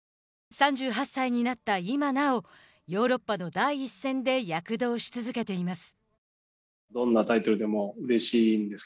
３８歳になった今なおヨーロッパの第一線で躍動し続けています。